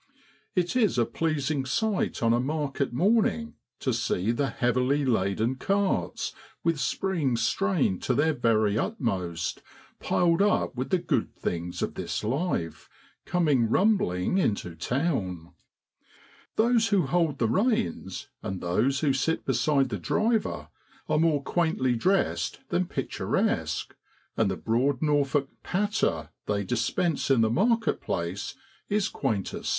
It is a pleasing sight on a market morning to see the heavily laden carts, with springs strained to their very utmost, piled up with the good things of this life, coming rumbling into town. Those who hold the reins, and those who sit beside the driver, are more quaintly dressed than picturesque, and the broad Norfolk ' patter ' they dispense in the market place is quainter still.